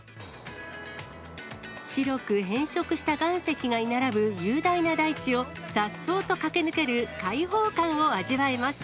白く変色した岩石が居並ぶ雄大な大地をさっそうと駆け抜ける開放感を味わえます。